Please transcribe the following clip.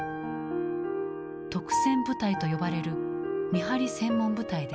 「督戦部隊」と呼ばれる見張り専門部隊である。